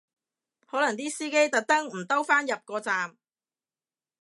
可能啲司機唔特登兜入個站